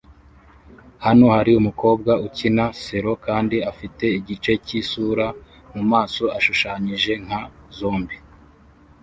Hano hari umukobwa ukina selo kandi afite igice cyisura mumaso ashushanyije nka zombie